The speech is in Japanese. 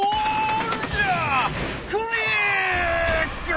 クリック！